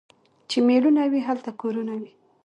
چي مړونه وي ، هلته کورونه وي.